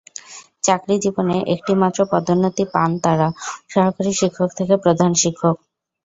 চাকরিজীবনে একটি মাত্র পদোন্নতি পান তাঁরা, সহকারী শিক্ষক থেকে প্রধান শিক্ষক।